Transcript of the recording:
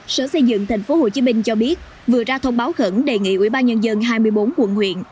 sở xây dựng tp hcm cho biết vừa ra thông báo khẩn đề nghị ubnd hai mươi bốn quận huyện